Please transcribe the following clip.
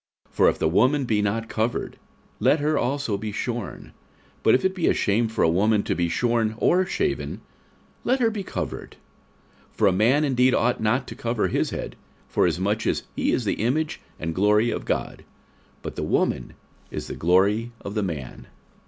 46:011:006 For if the woman be not covered, let her also be shorn: but if it be a shame for a woman to be shorn or shaven, let her be covered. 46:011:007 For a man indeed ought not to cover his head, forasmuch as he is the image and glory of God: but the woman is the glory of the man.